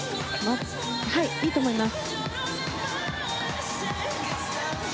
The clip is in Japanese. いいと思います。